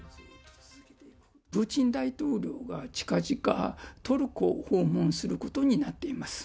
プーチン大統領は、近々、トルコを訪問することになっています。